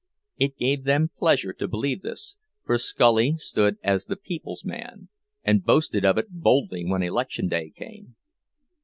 It gave them pleasure to believe this, for Scully stood as the people's man, and boasted of it boldly when election day came.